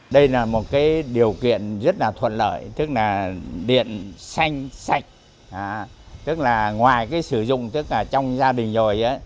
đây là một điều kiện rất thuận lợi tức là điện xanh sạch tức là ngoài sử dụng trong gia đình rồi